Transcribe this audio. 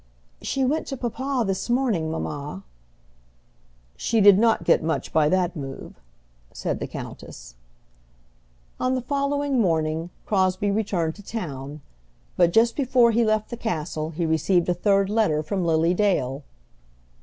"She went to papa this morning, mamma." "She did not get much by that move," said the countess. On the following morning Crosbie returned to town, but just before he left the castle he received a third letter from Lily Dale.